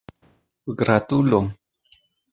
gratulo